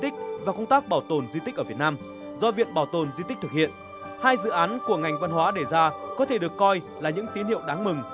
các dự án của ngành văn hóa đề ra có thể được coi là những tín hiệu đáng mừng